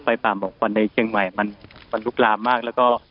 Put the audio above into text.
ไฟป่าบอกว่าในเชียงใหม่มันมันลุกลามากแล้วก็